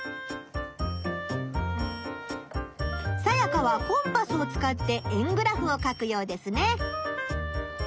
サヤカはコンパスを使って円グラフを書くようですね！